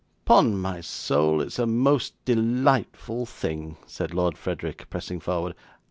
'Upon my soul, it's a most delightful thing,' said Lord Frederick, pressing forward.